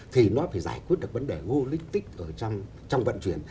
thì nó phải giải quyết được vấn đề ngô lịch tích trong vận chuyển